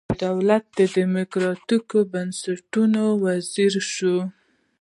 د دولت د دموکراتیکو بنسټونو وزیره شوه.